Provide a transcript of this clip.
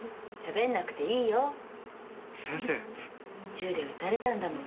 銃で撃たれたんだもん。